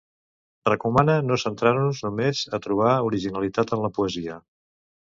Recomana no centrar-nos només a trobar originalitat en la poesia.